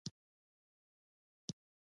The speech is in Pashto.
زردالو له طبیعي فضا سره دوست دی.